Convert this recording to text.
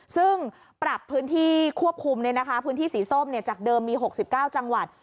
ซึ่งปรับพื้นที่ควบคุมเนี่ยนะคะพื้นที่สีส้มเนี่ยจากเดิมมี๖๙จังหวัด